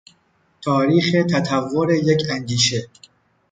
تاریخ تطور یک اندیشه